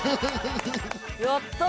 やったー！